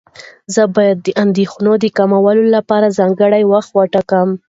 زه به د اندېښنو د کمولو لپاره ځانګړی وخت وټاکم.